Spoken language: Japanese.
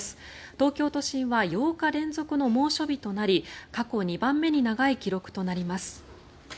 東京都心は８日連続の猛暑日となり過去２番目に長い記録となります。